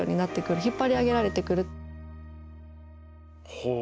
ほう。